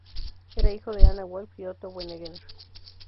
Era hijo de Anna Wolff y Otto Wegener.